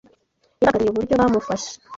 Yarakariye uburyo bamufashe